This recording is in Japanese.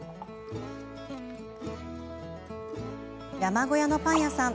山小屋のパン屋さん。